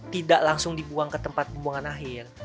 tidak langsung dibuang ke tempat pembuangan akhir